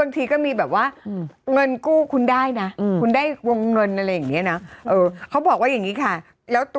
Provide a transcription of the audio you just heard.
๕สมใสปุ๊บโทรถามเลยค่ะ